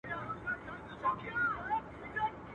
o کږه ملا په قبر کي سمېږي.